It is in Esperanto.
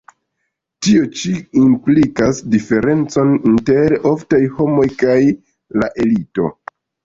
Tio ĉi implicas diferencon inter oftaj homoj kaj la elito.